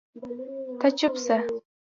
ته چپ سه